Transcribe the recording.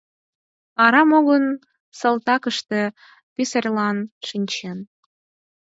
Арам огыл салтакыште писарьлан шинчен.